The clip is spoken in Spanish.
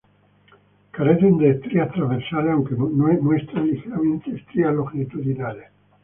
Carecen de estrías transversales aunque muestran ligeramente estrías longitudinales.